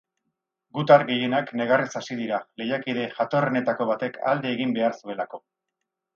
Gutar gehienak negarrez hasi dira, lehiakide jatorrenetako batek alde egin behar zuelako.